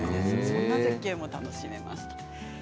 そんな絶景も楽しめます。